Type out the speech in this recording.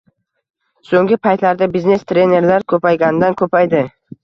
So‘nggi paytlarda biznes trenerlar ko‘paygandan ko‘paydi